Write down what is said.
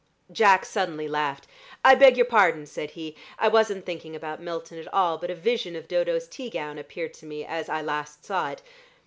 Jack suddenly laughed. "I beg your pardon," said he; "I wasn't thinking about Milton at all, but a vision of Dodo's tea gown appeared to me, as I last saw it.